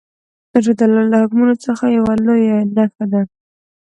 روژه د الله له حکمونو څخه یوه لویه نښه ده.